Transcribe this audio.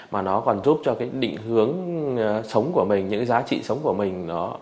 mà nó còn giúp cho định hướng sống của mình những giá trị sống của mình